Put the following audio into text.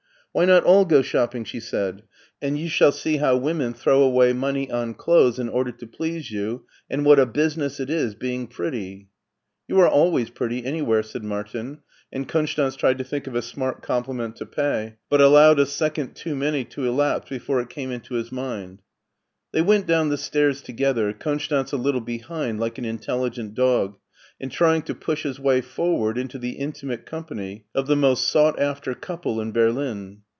" Why not all go shopping ?" she said, " and you shall see how women throw away money on clothes BERLIN 201 in order to please you, and what a business it is being pretty/* "You are always pretty, an)rwhere," said Martin; and Konstanz tried to think of a smart compliment to pay, but allowed a second too many to elapse before it came into his mind. They went down the stairs together, Konstanz a little behind like an intelligent dog, and tfying to push his way forward into the intimate company of the most sought after couple in Berlin.